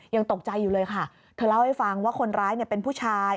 ยังตกใจอยู่เลยค่ะเธอเล่าให้ฟังว่าคนร้ายเป็นผู้ชาย